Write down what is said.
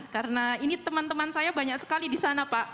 karena ini teman teman saya banyak sekali di sana pak